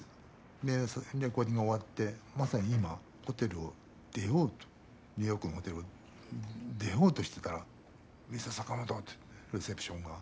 でレコーディング終わってまさに今ホテルを出ようとニューヨークのホテルを出ようとしてたら「ミスターサカモト」ってレセプションが。